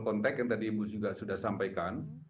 konteks yang tadi ibu juga sudah sampaikan